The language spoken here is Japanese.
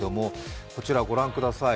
こちらご覧ください。